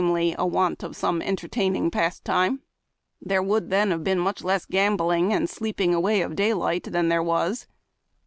a want of some entertaining pastime. There would then have been much less gambling and sleeping away of daylight than there was.